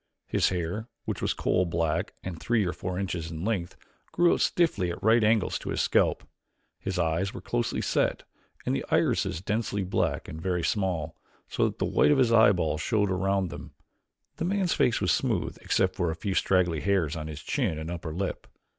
His hair, which was coal black and three or four inches in length, grew out stiffly at right angles to his scalp. His eyes were close set and the irises densely black and very small, so that the white of the eyeball showed around them. The man's face was smooth except for a few straggly hairs on his chin and upper lip.